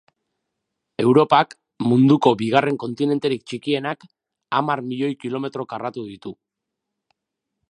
Europak, munduko bigarren kontinenterik txikienak, hamar milioi kilometro karratu ditu.